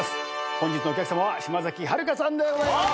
本日のお客さまは島崎遥香さんでございます。